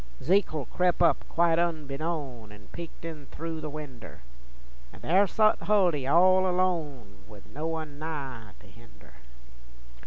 Zekle crep' up quite unbeknown An' peeked in thru' the winder, An' there sot Huldy all alone, 'ith no one nigh to hender.